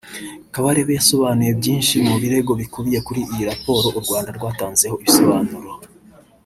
Kabarebe yasobonuye byinshi mu birego bikubiye kuri iyi raporo u Rwanda rwatanzeho ibisobanuro